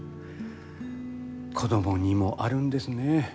子供にもあるんですね。